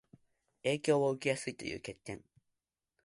影響を受けやすいという欠点